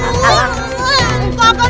pak aku mau mandir